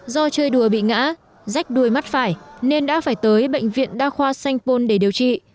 do chơi đùa bị ngã rách đuôi mắt phải nên đã phải tới bệnh viện đa khoa sanh pôn để điều trị